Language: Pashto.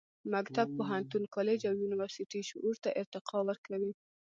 مکتب، پوهنتون، کالج او یونیورسټي شعور ته ارتقا ورکوي.